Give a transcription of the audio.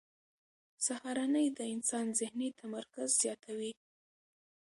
سهارنۍ د انسان ذهني تمرکز زیاتوي.